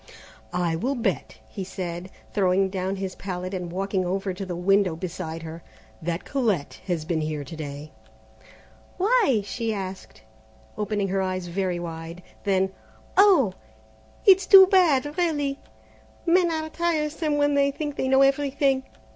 "I will bet," he said, throwing down his palette and walking over to the window beside her, "that Colette has been here to day." "Why?" she asked, opening her eyes very wide. Then, "Oh, it's too bad! really, men are tiresome when they think they know everything!